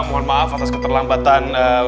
mohon maaf atas keterlambatan